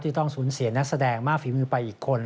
ต้องสูญเสียนักแสดงมากฝีมือไปอีกคน